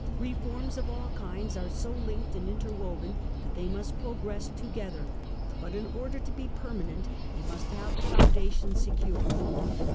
Refoj:ms of all kinds are so linked and interwo /^Ten that they must progress together; but in or Vder to be permanent they must have the foundations secure.